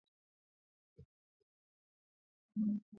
Ku rumia muntu ni kusabwa byote